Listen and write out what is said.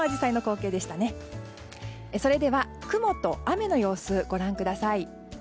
それでは、雲と雨の様子をご覧ください。